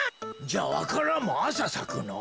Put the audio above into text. じゃあわか蘭もあささくの？